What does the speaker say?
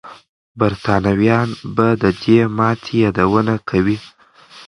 برتانويان به د دې ماتې یادونه کوي.